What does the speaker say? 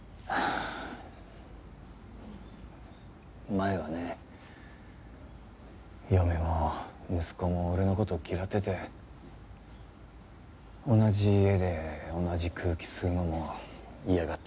前はね嫁も息子も俺の事嫌ってて同じ家で同じ空気吸うのも嫌がってたのに。